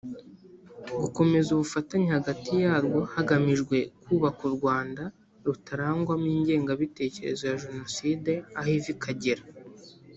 gukomeza ubufatanye hagati yarwo hagamijwe kubaka u Rwanda rutarangwamo ingengabitekerezo ya Jenoside aho iva ikagera